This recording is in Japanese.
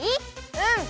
うん！